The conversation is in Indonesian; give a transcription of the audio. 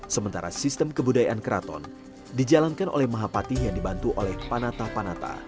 sementara sistem kebudayaan keraton dijalankan oleh mahapati yang dibantu oleh panata panata